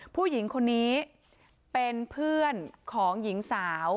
ผู้หญิงคนนี้เป็นเพื่อนของหญิงสาว